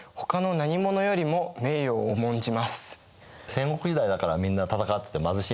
戦国時代だからみんな戦ってて貧しいんですね。